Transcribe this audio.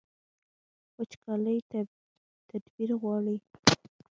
وچکالي تدبیر غواړي